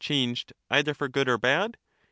changed either for good or bad ?